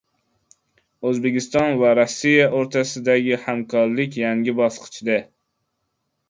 O‘zbekiston va Rossiya o‘rtasidagi hamkorlik yangi bosqichda